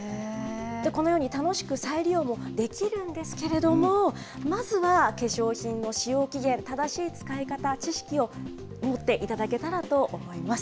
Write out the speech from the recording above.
このように楽しく再利用もできるんですけれども、まずは化粧品の使用期限、正しい使い方、知識を持っていただけたらと思います。